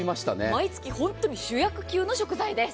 毎月、本当に主役級の食材です。